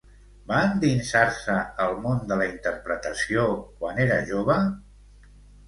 Va endinsar-se al món de la interpretació quan era jove?